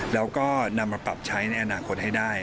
แล้วก็นำมาปรับใช้ในอนาคตให้ได้